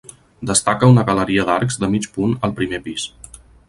Destaca una galeria d'arcs de mig punt al primer pis.